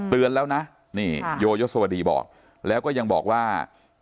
เตือนแล้วนะนี่โยยศวดีบอกแล้วก็ยังบอกว่า